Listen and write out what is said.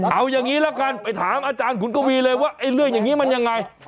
เอาอย่างนี้ละกันไปถามอาจารย์ขุนกวีเลยว่าไอ้เรื่องอย่างนี้มันยังไง